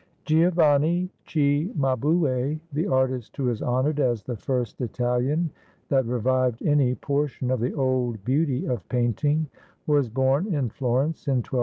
Giovanni Cimabue, the artist who is honored as the first Italian that revived any portion of the old beauty of painting, was born in Florence, in 1240.